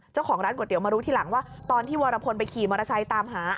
เจ้าของร้านก๋วยเตี๋ยมารู้ทีหลังว่าตอนที่วรพลไปขี่มอเตอร์ไซค์ตามหา